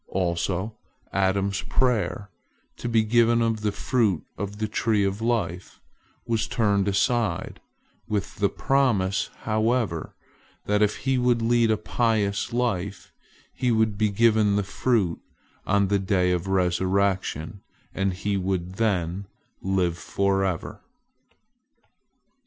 Also Adam's prayer, to be given of the fruit of the tree of life, was turned aside, with the promise, however, that if he would lead a pious life, he would be given of the fruit on the day of resurrection, and he would then live forever.